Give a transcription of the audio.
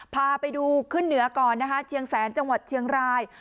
พาไปดูขึ้นเหนือก่อนนะคะเชียงแสนจังหวัดเชียงราย